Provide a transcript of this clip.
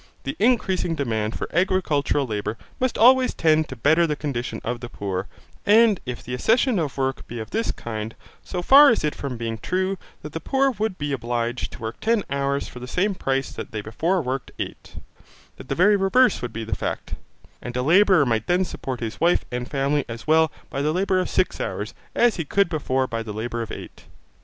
The increasing demand for agricultural labour must always tend to better the condition of the poor; and if the accession of work be of this kind, so far is it from being true that the poor would be obliged to work ten hours for the same price that they before worked eight, that the very reverse would be the fact; and a labourer might then support his wife and family as well by the labour of six hours as he could before by the labour of eight.